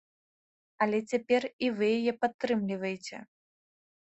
Але цяпер і вы яе падтрымліваеце!